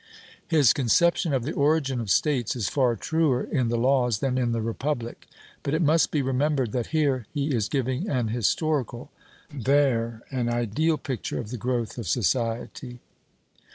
His conception of the origin of states is far truer in the Laws than in the Republic; but it must be remembered that here he is giving an historical, there an ideal picture of the growth of society.